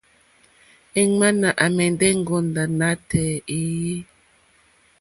Èŋwánà àmɛ̀ndɛ́ ŋgòndá nátɛ̀ɛ̀ éèyé.